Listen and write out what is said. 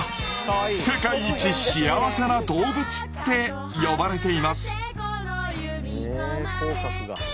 「世界一幸せな動物」って呼ばれています。